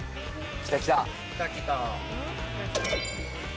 来た来た。